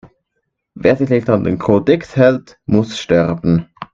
Wer sich nicht an den Kodex hält, muss sterben